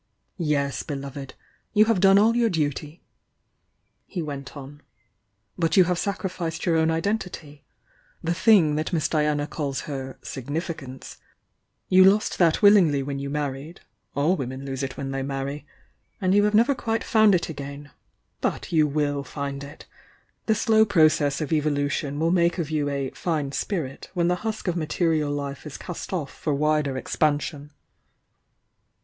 "Yes, beloved! — you have done all your duty!" he went on. "But you have sacrificed your own identity — the thing that Miss Diana calls her 'sig nificance.' You lost that willingly when you mar ried — ^all women lose it when they marry: — and you have never quite found it again. But you will find it! The slow process of evolution will make of you a 'fine spirit' when the husk of material life b cast off for wider expansion."